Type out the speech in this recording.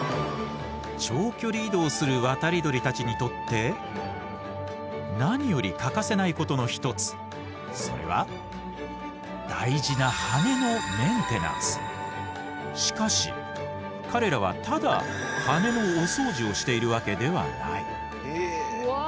長距離移動する渡り鳥たちにとって何より欠かせないことの一つそれはしかし彼らはただ羽のおそうじをしているわけではない。